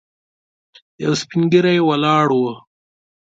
یو سپين ږيری ولاړ و.